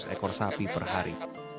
lima ratus ekor sapi per hari